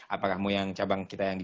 apakah mau cabang kita yang di